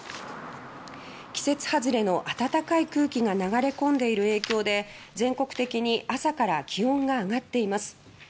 季節外れの暖かい空気が流れ込んでいる影響で全国的に朝から気温が上がっています。